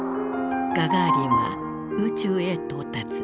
ガガーリンは宇宙へ到達。